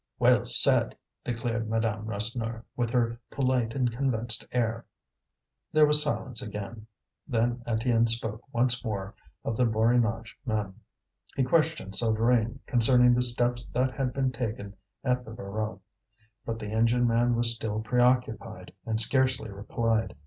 "Well said," declared Madame Rasseneur, with her polite and convinced air. There was silence again. Then Étienne spoke once more of the Borinage men. He questioned Souvarine concerning the steps that had been taken at the Voreux. But the engine man was still preoccupied, and scarcely replied.